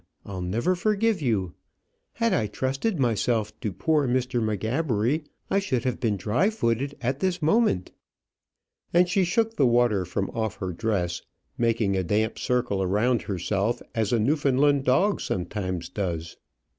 I'll never forgive you. Had I trusted myself to poor Mr. M'Gabbery, I should have been dry footed at this moment." And she shook the water from off her dress, making a damp circle around herself as a Newfoundland dog sometimes does.